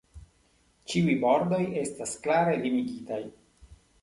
Ĉiuj bordoj estas klare limigitaj.